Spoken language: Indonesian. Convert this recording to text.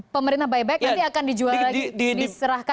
pemerintah buy back nanti akan dijual lagi diserahkan kepada yang lain